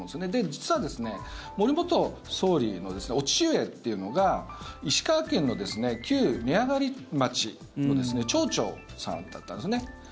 実は森元総理の御父上というのが石川県の旧根上町の町長さんだったんですね。